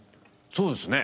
そうですね。